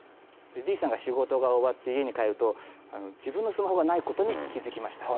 Ｄさんが仕事が終わって家に帰ると自分のスマホがないことに気づきました。